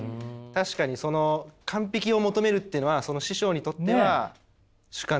確かにその完璧を求めるっていうのは師匠にとっては主観だった。